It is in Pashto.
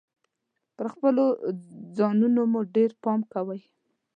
پر خپلو ځانونو مو ډیر پام کوﺉ .